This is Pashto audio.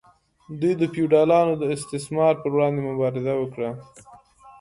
دوی د فیوډالانو د استثمار پر وړاندې مبارزه وکړه.